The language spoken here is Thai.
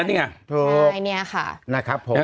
อันนี้อ่ะลุกคืนคนนี้อ่ะ